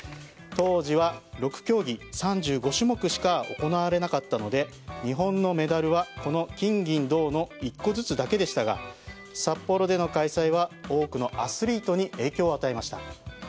当時は６競技３５種目しか行われなかったので日本のメダルはこの金銀銅の１個づつだけでしたが札幌での開催は多くのアスリートに影響を与えました。